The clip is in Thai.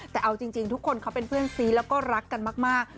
แต่เอาจริงทุกคนเขาเป็นเพื่อนซีแล้วก็รักกันมาก